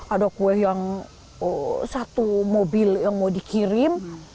ada kue yang satu mobil yang mau dikirim